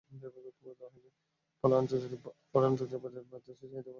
পরে আন্তর্জাতিক বাজারে বাতাসের চাহিদার কথা ভেবে গুরুত্ব দেওয়া শুরু হয়েছে।